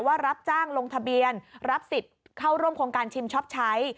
รับจ้างลงทะเบียนรับสิทธิ์เข้าร่วมโครงการชิมช็อปใช้